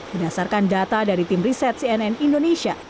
berdasarkan data dari tim riset cnn indonesia